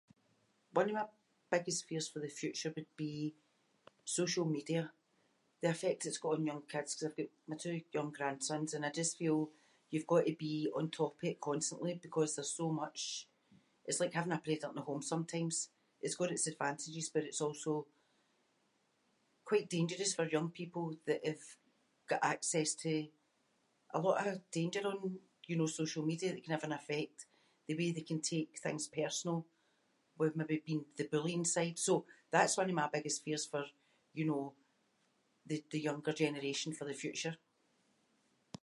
One of my biggest fears for the future would be social media – the effect it’s got on young kids ‘cause I’ve got my two young grandsons and I just feel you’ve got to be on top of it constantly because there’s so much. It’s like having a predator in the home sometimes. It’s got its advantages but it’s also quite dangerous for young people that’ve got access to a lot of danger on, you know, social media, that can have an effect. The way they can take things personal with maybe being the bullying side, so that’s one of my biggest fears for, you know, the- the younger generation for the future.